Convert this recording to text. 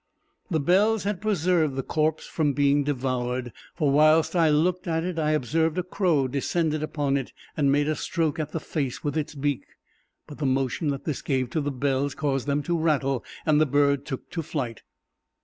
The bells had preserved the corpse from being devoured; for whilst I looked at it I observed a crow descend upon it, and make a stroke at the face with its beak, but the motion that this gave to the bells caused them to rattle, and the bird took to flight.